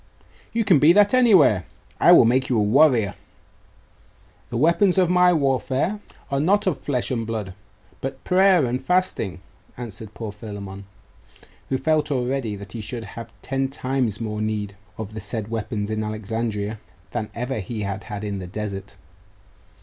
'You can be that anywhere. I will make you a warrior.' 'The weapons of my warfare are not of flesh and blood, but prayer and fasting,' answered poor Philammon, who felt already that he should have ten times more need of the said weapons in Alexandria than ever he had had in the desert....